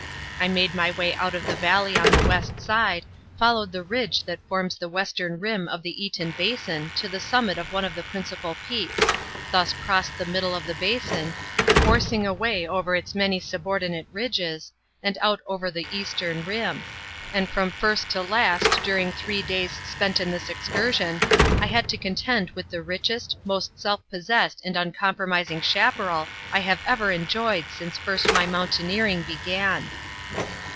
I made my way out of the valley on the west side, followed the ridge that forms the western rim of the Eaton Basin to the summit of one of the principal peaks, thence crossed the middle of the basin, forcing a way over its many subordinate ridges, and out over the eastern rim, and from first to last during three days spent in this excursion, I had to contend with the richest, most self possessed and uncompromising chaparral I have ever enjoyed since first my mountaineering began.